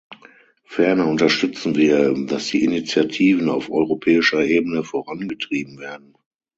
Ferner unterstützen wir, dass die Initiativen auf europäischer Ebene vorangetrieben werden.